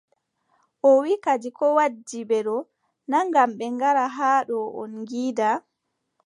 O wiʼi kadi koo waddi ɓe ɗo, naa ngam ɓe ngara haa ɗo on ngiida.